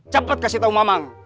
cepet kasih tau mama